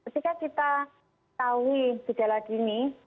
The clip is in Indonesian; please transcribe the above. ketika kita tahu gejala dini